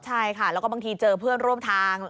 ใช่ค่ะแล้วก็บางทีเจอเพื่อนร่วมทาง